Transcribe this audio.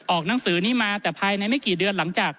หนังสือนี้มาแต่ภายในไม่กี่เดือนหลังจาก